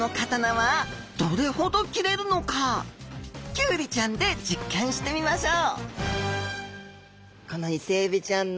キュウリちゃんで実験してみましょう！